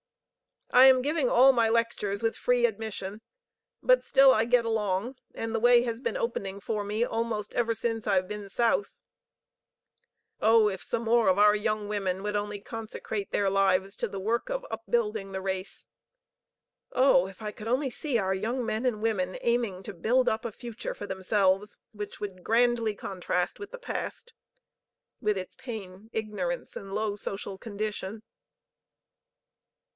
I am giving all my lectures with free admission; but still I get along, and the way has been opening for me almost ever since I have been South. Oh, if some more of our young women would only consecrate their lives to the work of upbuilding the race! Oh, if I could only see our young men and women aiming to build up a future for themselves which would grandly contrast with the past with its pain, ignorance and low social condition."